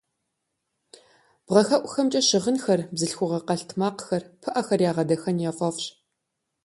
Бгъэхэӏухэмкӏэ щыгъынхэр, бзылъхугъэ къэлътмакъхэр, пыӏэхэр ягъэдахэн яфӏэфӏщ.